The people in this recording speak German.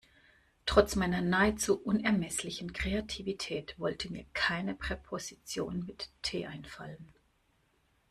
Trotz meiner nahezu unermesslichen Kreativität wollte mir keine Präposition mit T einfallen.